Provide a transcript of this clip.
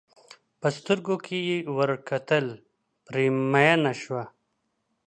په سترګو کې یې ور کتل پرې مینه شوه.